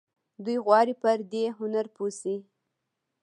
دوی غواړي پر دې هنر پوه شي.